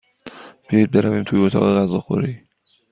بیایید برویم توی اتاق غذاخوری.